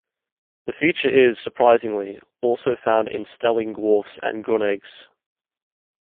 The feature is, surprisingly, also found in Stellingwarfs and Grunnegs.